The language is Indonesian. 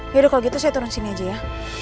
yaudah kalau gitu saya turun sini aja ya